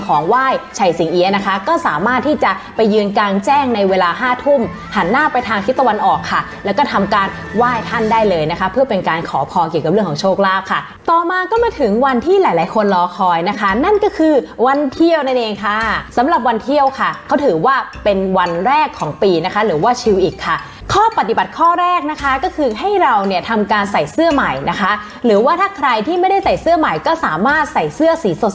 การขอพอเกี่ยวกับเรื่องของโชคลาภค่ะต่อมาก็มาถึงวันที่หลายหลายคนรอคอยนะคะนั่นก็คือวันเที่ยวนั่นเองค่ะสำหรับวันเที่ยวค่ะเขาถือว่าเป็นวันแรกของปีนะคะหรือว่าชิลอีกค่ะข้อปฏิบัติข้อแรกนะคะก็คือให้เราเนี้ยทำการใส่เสื้อใหม่นะคะหรือว่าถ้าใครที่ไม่ได้ใส่เสื้อใหม่ก็สามารถใส่เส